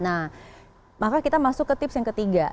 nah maka kita masuk ke tips yang ketiga